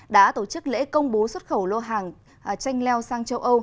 đã tổ chức lễ công bố xuất khẩu lô hàng chanh leo sang châu âu